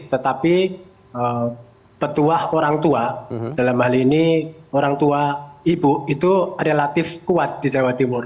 tetapi petuah orang tua dalam hal ini orang tua ibu itu relatif kuat di jawa timur